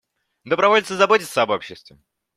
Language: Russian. Добровольцы заботятся об обществе.